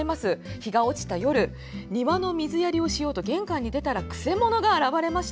日が落ちた夜庭の水遣りをしようと玄関に出たらくせ者が現れました。